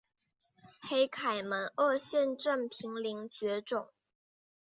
黑凯门鳄现正濒临绝种。